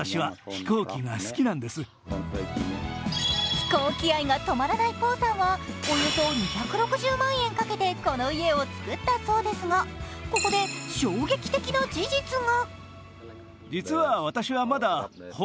飛行機愛が止まらないポーさんはおよそ２６０万円かけて、この家を造ったそうですが、ここで衝撃的な事実が。